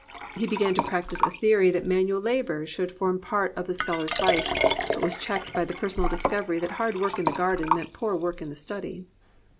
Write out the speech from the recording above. He began to practise a theory that manual labour should form part of the scholar's life, but was checked by the I>ersonal discovery that hard work in the garden meant poor work in the study.